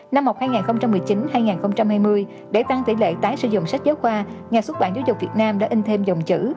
năm học hai nghìn một mươi chín hai nghìn hai mươi để tăng tỷ lệ tái sử dụng sách giáo khoa nhà xuất bản giáo dục việt nam đã in thêm dòng chữ